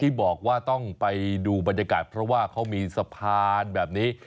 ที่บอกว่าต้องไปดูบรรยากาศเพราะว่าเขามีสะพานแบบนี้